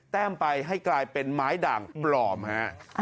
แต้มไปให้กลายเป็นไม้ด่างปลอมฮะ